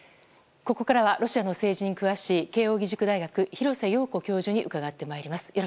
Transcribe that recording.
ここからはロシアの政治に詳しい慶應義塾大学廣瀬陽子教授に伺ってまいります。